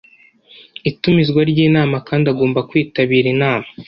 itumizwa ry inama kandi agomba kwitabira inama